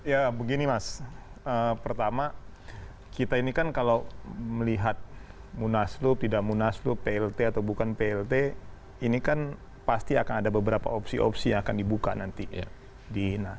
ya begini mas pertama kita ini kan kalau melihat munaslup tidak munaslup plt atau bukan plt ini kan pasti akan ada beberapa opsi opsi yang akan dibuka nanti